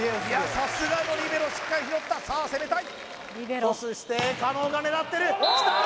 さすがのリベロしっかり拾ったさあ攻めたいトスして狩野が狙ってるきたー！